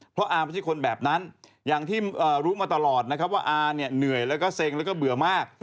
เพราะอาไม่ใช่คนแบบนั้นอย่างที่รู้มาตลอดนะครับว่าอาเนี่ยเหนื่อยแล้วก็เซ็งแล้วก็เบื่อมาก